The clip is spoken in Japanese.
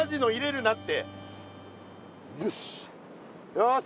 よし。